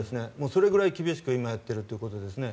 それくらい厳しく今やっているということですね。